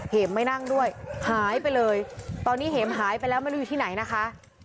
เหมไม่นั่งด้วยหายไปเลยตอนนี้เห็มหายไปแล้วไม่รู้อยู่ที่ไหนนะคะ